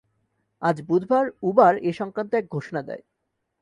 আজ বুধবার উবার এ সংক্রান্ত এক ঘোষণা দেয়।